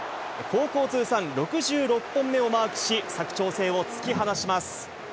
高校通算６６本目をマークし、佐久長聖を突き放します。